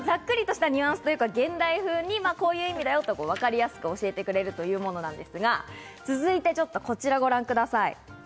ざっくりとしたニュアンスというか、現代流にこういう意味だよと、わかりやすく教えてくれるというものなんです。